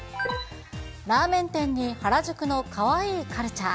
ラーメン店に、原宿のカワイイカルチャー。